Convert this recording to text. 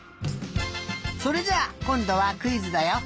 それじゃあこんどはクイズだよ。